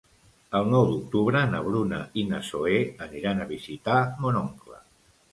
El nou d'octubre na Bruna i na Zoè aniran a visitar mon oncle.